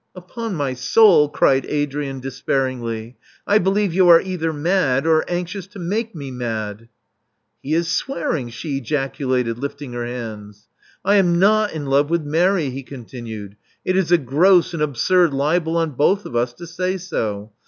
Upon my soul," cried Adrian despairingly, '*I believe you are either mad or anxious to make me mad." He is swearing!*' she ejaculated, lifting her hands. I am not in love with Mary, he continued. It is a gross and absurd libel on both of us to say so.